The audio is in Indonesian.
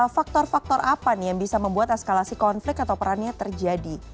faktor faktor apa nih yang bisa membuat eskalasi konflik atau perannya terjadi